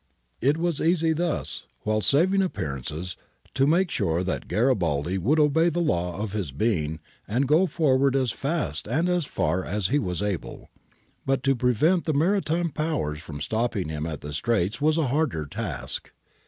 ^ It was easy thus, while saving appearances, to make sure that Garibaldi would obey the law of his being and go forward as fast and as far as he was able. But to prevent the maritime Powers from stopping him at the Straits was a harder task.